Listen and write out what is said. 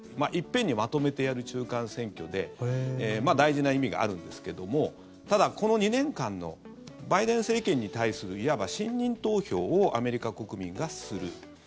一遍にまとめてやる中間選挙で大事な意味があるんですけどもただ、この２年間のバイデン政権に対するいわば信任投票をアメリカ国民がする。